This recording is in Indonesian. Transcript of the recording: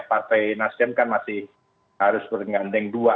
partai nasdem kan masih harus bergandeng dua